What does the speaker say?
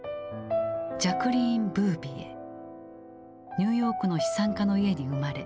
ニューヨークの資産家の家に生まれ